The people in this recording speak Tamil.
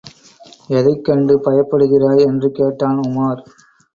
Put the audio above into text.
எதைக் கண்டு பயப்படுகிறாய்? என்று கேட்டான் உமார்.